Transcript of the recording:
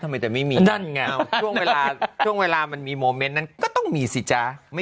ทำไมจะไม่มีวันเวลามันมีมุน้ำ